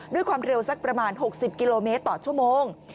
ด้วยความเร็วสักประมาณ๖๐กิโลเมตรต่อชั่วโมง